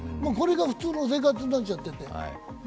これが普通の生活になっちゃってて。